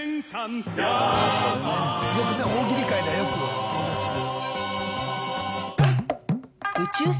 よくね大喜利界ではよく登場する。